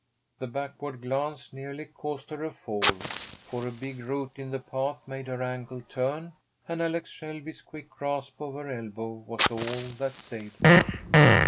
The backward glance nearly caused her a fall, for a big root in the path made her ankle turn, and Alex Shelby's quick grasp of her elbow was all that saved her.